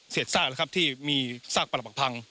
เศษซากเลยครับที่มีซากปลับปักพัง